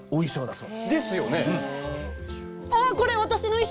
そう。